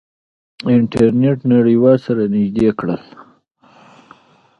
انټرنیټ نړیوال سره نزدې کړل.